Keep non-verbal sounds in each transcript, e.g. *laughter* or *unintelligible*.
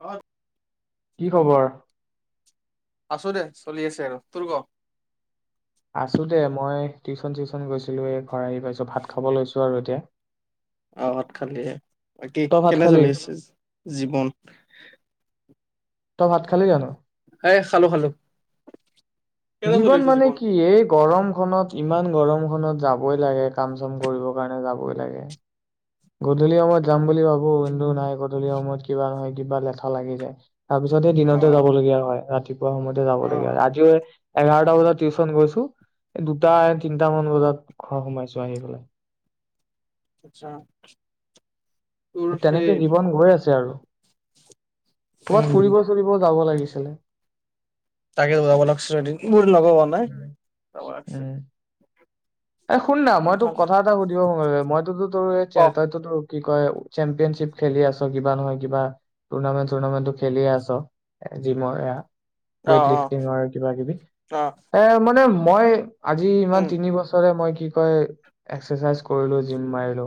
হয় কি খবৰ আছো দে চলি আছে আৰু তোৰ ক আছো দে মই টিউশচন চিউচন গৈছিলো এই ঘৰ আহি পাইছো ভাত খাব লৈছো আৰু এতিয়া আহত খালিহে বাকী তই ভাত কেনে খালি? চলি আছে জীৱন তই ভাত খালি জানো এ খালো খালো কেনে চলি জীৱন আছে মানে কি এই গৰম খনত ইমান গৰমখনত যাবই লাগে কাম চাম কৰিব কাৰণে যাবই লাগে গধূলি সময়ত যাম বুলি ভাবো কিন্তু নাই গধূলি সময়ত কিবা নহয় কিবা লেঠা লাগি যায় তাৰপিছতে অ দিনতে যাবলগীয়া হয় ৰাতি ত সময়তে যাব অ লগীয়া হয় আজিও এঘাৰটা বজাত টিউচন গৈছো দুটা তিনটাামান বজাত ঘৰ সোমাইছো আহি পেলাই আচ্ছা তোৰ সেই তেনেকে জীৱন গৈ আছে আৰু ক'বাত উম ফুৰিব চুৰিব যাব লাগিছে কেলে তাকে যাব লাগছে এদিন মো লগ ক নাই উম, যাব লাগচে এ শুন না মই তোক কথা এটা সুধিব সোনে মইতোতো তোৰ ক অ তইতো তোৰ কি কয় চেম্পিয়নশ্বিপ খেলি আছ কিবা নহয় কিবা টুৰ্নামেন্ট চুৰ্ণামেন্টটো খেলিয়ে আছ এ জিমৰ এয়া অ ৱট লিফটিংৰ কিবা কিবি অ এ মানে মই আজি ইমান উম তিনিবছৰ মই কি কই এক্সাৰচাইজ কৰিলো জিম মাৰিলো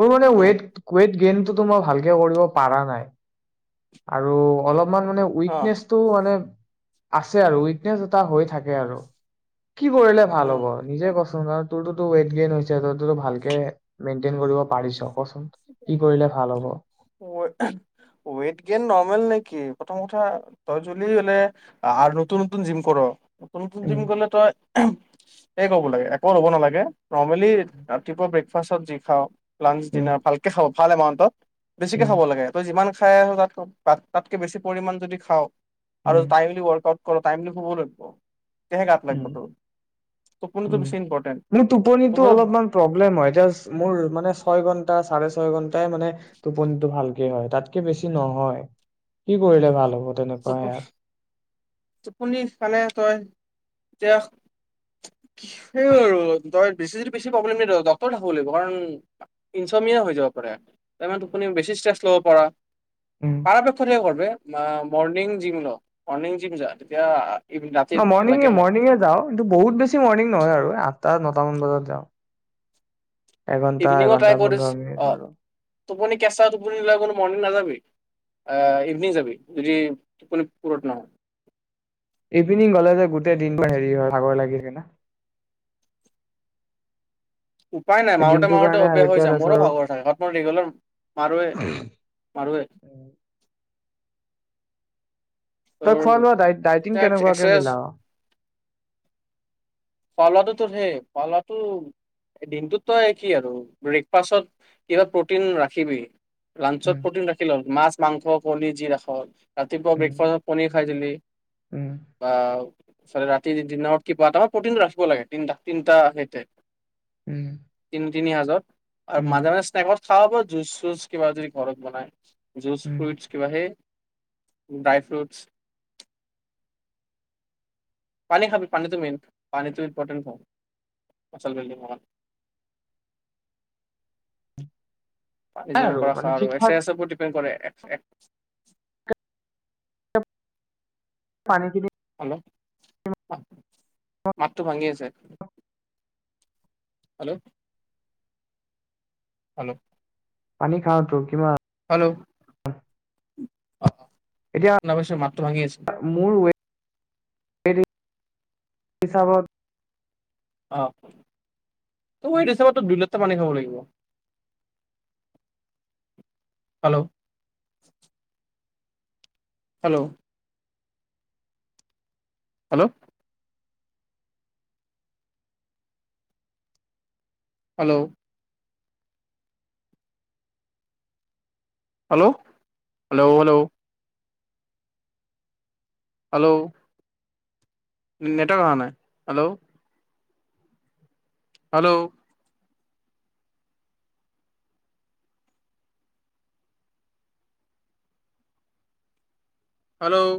মোৰ মানে উম ৱেট ৱেট গেন হেতু টো মই ভালকে কৰিব পাৰা নাই আৰু অলপ তোমাক মানে অ উইকনেচটো মানে আছে আৰু উইকনেছ এটা হৈ থাকে আৰু কি কৰিলে ভাল উম হ'ব নিজে ক কাৰণ তোৰ টু টো ৱেট গেন হৈছে তই টো ভালকে মেইনণ্টেইন কৰিব পাৰা ৱেইট গেইন নৰ্মেল নেকি প্ৰথম উঠা তই জল হলে নতুন নতুন জিম কৰ নতুন নতুন জিম উম গলে তই হো এই ক লাগে একো লব নালাগে নিৰ্মালী চা চব্জি খাওঁ লাঞ্চ উম ডিনাৰ ভালকে খাওঁ ভাল এ মাউণ্টত বেছিকে উম খাব লাগে তই যিমান খাই আহো তাত তাতকে বেছি পৰিমাণ যদি খাওঁ আৰু উম টমলি ৱৰ্কআউট কৰ টাইমলী শুব লাগিব তেতিয়াহে গাত উ লাগিব তোৰ টোপনিটো উ বেছি ইম্পৰ্টেণ্ট মোৰ টোপনো টোপনিটো অল প্ৰবলেম হয় জাষ্ট মোৰ মানে ছয় -ঘন্টা, চাৰে -ছয় -ঘন্টাই মানে টোপনিটো ভালকে হয় তাতকে বেছি নহয় কি কৰিলে ভাল হ'ব? তেনেকুৱা টোপনি ইয়াত, - টোপনি ফালে তই দে, - সেই আৰু তই, বেছি যদি বেছি প্ৰব্লেম নিদয়ক ডক্তৰ দেখাব লাগিব কাৰণ ইনচমিয়া হৈ যাব পাৰে, তাৰমানে টোপনি বেছি ষ্ট্ৰেছ ল'ব পৰা, উম *unintelligible* বে', না, মৰ্ণিং জিম ল', মৰ্ণিং, জিম যা তেতিয়া, - ন', মৰ্ণিঙে- মৰ্ণঙে যাওঁ কিন্তু, বহুত বেছি মৰ্ণিং নহয় আৰু আঠটা- নটামান বজাত যাওঁ। এঘন্টা- ইভিনিঙো ট্ৰাই এঘন্টা, কৰিছ পোন্ধৰ- মিনিট অ মাৰো। টোপনি কেঁচা টোপনি লৈ বোলো মৰ্ণিং নাযাবি আহ', ইভিনিং যাবি যদি টোপনি পুৰ নহয়। ইভিনিং গলে যে, গোটেই দিনটো হেৰি হয় ভাগৰ লাগি যায় না। উপায় নাই মাৰোতে দিনটোৰ -মাৰোতে কাৰণে আহি অভ্যস হৈ পেলাই যাম তাৰপিছত মোৰো আৰু ভাগৰ থাকে, মই ৰেগুলাৰ মাৰোৱে- মাৰোৱে। তই তোৰ খোৱা লোৱা ডাইট -ডাইটিং কেনেকুৱাকে এক্সাৰচাইজ মিলাও? খোৱা - লোৱাতো তোৰ হেই খোৱা - লোৱাতো দিনটোত তই কি, আৰু ব্ৰেকফাষ্টত কিবা প্ৰটিন ৰাখিবি। লাঞ্চত উম, প্ৰটিন ৰাখি লওঁ মাছ, - মাংস -কণী যি ৰাখ, ৰাতিপুৱা উম, ব্ৰেকফাষ্টত পনীৰ, খাই দিলি। উম, *unintelligible* চাৰা ৰাতি দিনত কি খোৱা টাইমত, প্ৰটিন ৰাখিব লাগে তিনটা -তিনটা সেইতে, উম, - কিন্ত, তিনি হাজত, আৰু উম, মাজে- মাজে স্নেকত, খাঁওব জুচ -চুচ কিবা যদি ঘৰত বনায়। জুচ -ফ্ৰুইটছ উম। কিবাহে, - ড্ৰাই -ফ্ৰুটচ, পানী খাবি পানীটো মেইন। পানীটো ইম্পৰ্টেণ্ট হয়, মচল বিল্ডিং হোৱাত, পানী নাই যিমান পাৰা মানে খা ঠিক আৰু ঠাক আছে আছে প্ৰটি, ট্ৰেন কৰে এক্স - এক, - পানী কিনি, *unintelligible* মাতটো ভাঙি আছে। হেল্ল' হেল্ল' পানী খাওঁতো কিমান হেল্ল' অ অ এতিয়া শুনা নগৈছে মাত টো ভাঙি আহিছে মোৰ ৱেট হিচাপত আহ তই মোৰ হিচাপত দিনত ও পানী খাব লাগিব hello hello hello hello hello hello hello hello নি নেটৱৰ্ক অহা নাই হেল্ল' হেল্ল' হেল্ল',